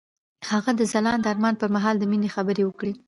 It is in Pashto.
هغه د ځلانده آرمان پر مهال د مینې خبرې وکړې.